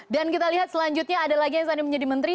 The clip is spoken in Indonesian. dan kita lihat selanjutnya ada lagi yang saat ini menjadi menteri